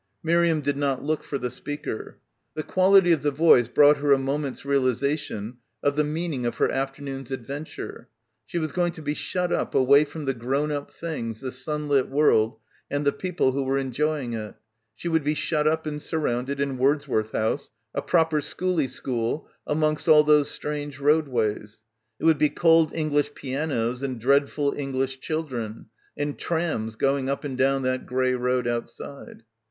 Miriam did not look for the speaker. The quality of the voice brought her a moment's realisation of the meaning of her afternoon's ad venture. She was going to be shut up away from the grown up things, the sunlit world, and the people who were enjoying it. She would be shut — 25 — PILGRIMAGE up and surrounded in Wordsworth House, a proper schooly school, amongst all those strange roadways. It would be cold English pianos and dreadful English children — and trams going up and down that grey road outside.